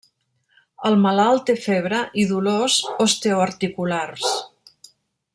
El malalt té febre i dolors osteoarticulars.